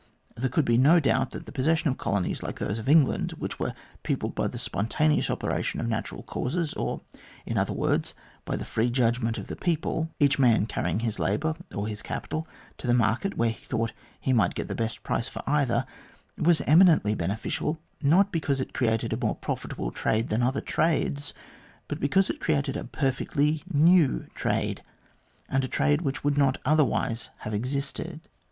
There could be no doubt that the possession of colonies like those of England, which were peopled by the spontaneous operation of natural causes, or, in other words, by the free judgment of the people, each man carrying his labour or his capital to the market where he thought he might get the best price for either, was eminently beneficial, not because it created a more profitable trade than other trades, but because it created a perfectly new trade, and a trade which would not otherwise have existed.